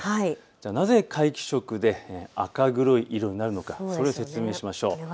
なぜ皆既食で赤黒い色になるのかそれを説明しましょう。